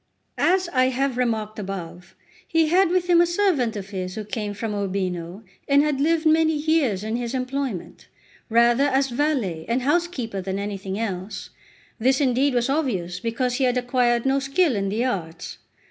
As I have remarked above, he had with him a servant of his who came from Urbino, and had lived many years in his employment, rather as valet and housekeeper than anything else; this indeed was obvious, because he had acquired no skill in the arts.